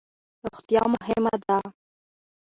روغتیا مهمه ده